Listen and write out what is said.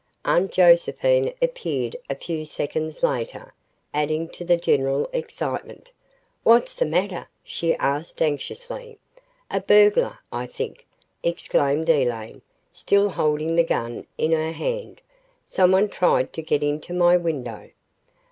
Aunt Josephine appeared a few seconds later, adding to the general excitement. "What's the matter?" she asked, anxiously. "A burglar, I think," exclaimed Elaine, still holding the gun in her hand. "Someone tried to get into my window."